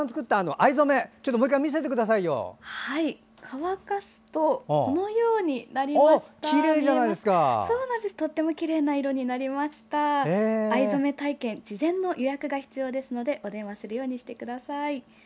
藍染め体験事前の予約が必要ですのでお電話するようにしてください。